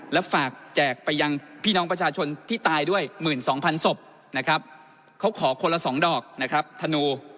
และฝากแจกไปยังพี่น้องประชาชนที่ตายด้วย๑๒๐๐๐ศพนะครับเขาขอคนละ๒ดอกนะครับธนู